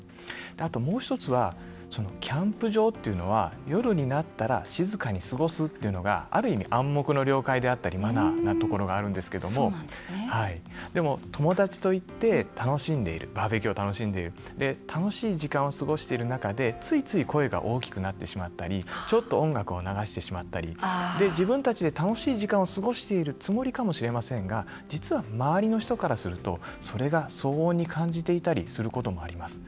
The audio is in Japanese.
あと、もう１つはキャンプ場というのは夜になったら静かに過ごすというのがある意味、暗黙の了解だったりマナーなところがあるんですけどでも、友達といって楽しい時間を過ごしている中でついつい声が大きくなったりちょっと音楽を流してしまったり自分たちで楽しい時間を過ごしているつもりかもしれませんが実は周りの人たちからするとそれが騒音に感じていたりすることもあります。